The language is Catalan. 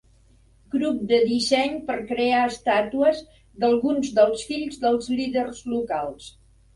Grup de disseny per crear estàtues d'alguns dels fills dels líders locals.